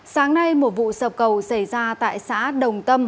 sáng nay một vụ sập cầu xảy ra tại xã đồng tâm